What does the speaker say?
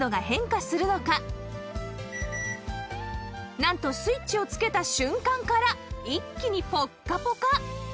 なんとスイッチをつけた瞬間から一気にぽっかぽか